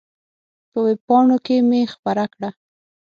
په وېب پاڼو کې مې خپره کړه.